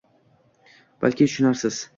Balki tushunarsiz